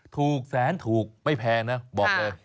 ถูกแสนถูกไม่แพงนะบอกเลย